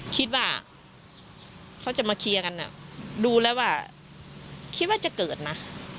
คิดว่าเขาจะมาเคลียร์กันดูแล้วว่าคิดว่าจะเกิดนะ